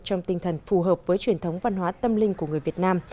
trong tinh thần phù hợp với truyền thống văn hóa tâm linh của người việt nam